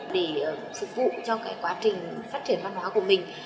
để phục vụ cho quá trình phát triển văn hóa của mình